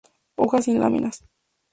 Hojas sin láminas.